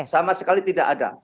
sama sekali tidak ada